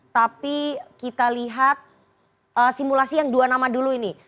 tapi kita lihat simulasi yang dua nama dulu ini